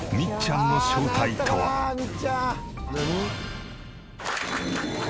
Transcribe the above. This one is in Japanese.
みっちゃんの正体とは？